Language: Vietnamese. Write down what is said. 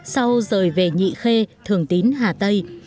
sau rời về nhị khê thường tín hà tây